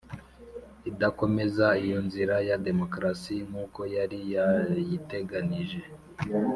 idakomeza iyo nzira ya demokarasi nk'uko yari yayiteganyije,